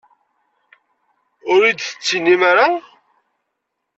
Ur iyi-d-tettinim ara?